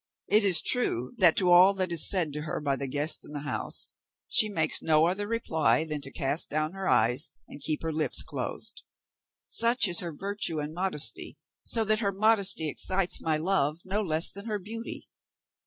It is true, that to all that is said to her by the guests in the house, she makes no other reply than to cast down her eyes and keep her lips closed; such is her virtue and modesty; so that her modesty excites my love, no less than her beauty.